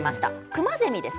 クマゼミです。